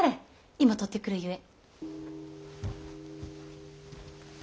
今取ってくるゆえ。